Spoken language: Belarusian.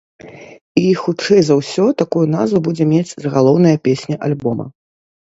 І хутчэй за ўсё такую назву будзе мець загалоўная песня альбома.